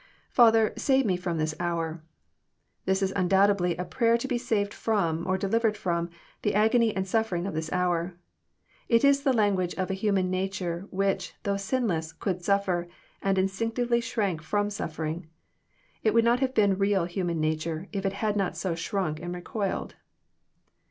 IFather, save me from this hour.'] This is undoubtedly a prayer to be saved fh)m, or delivered trota, the agony and suffering of this hour. It is the language of a human nature, which, though sinless, could suffer, and instinctively shrank from suffering. It would not have been real human nature if it had not so shrunk and recoiled.